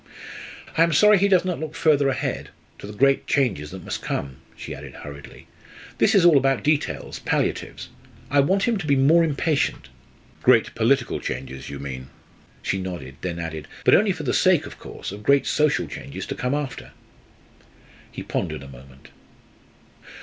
"I am sorry he does not look further ahead, to the great changes that must come," she added hurriedly. "This is all about details, palliatives. I want him to be more impatient." "Great political changes you mean?" She nodded; then added "But only for the sake, of course, of great social changes to come after." He pondered a moment.